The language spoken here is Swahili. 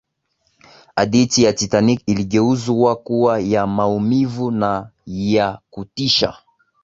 hadithi ya titanic iligeuzwa kuwa ya maumivu na ya kutisha